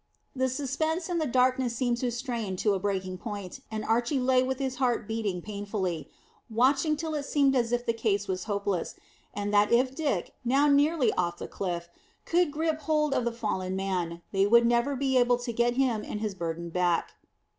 The suspense in the darkness seemed strained to breaking point, and Archy lay with his heart beating painfully, watching till it seemed as if the case was hopeless, and that if Dick, now nearly off the cliff, could grip hold of the fallen man, they would never be able to get him and his burden back.